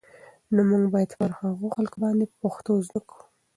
نو موږ بايد پر هغو خلکو باندې پښتو زده کول